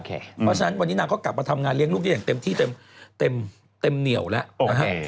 เพราะฉะนั้นวันนี้นางก็กลับมาทำงานเลี้ยงลูกได้อย่างเต็มที่เต็มเหนียวแล้วนะฮะ